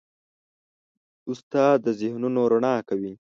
استاد د ذهنونو رڼا کوي.